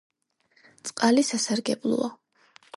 წყალი სასარგებლოა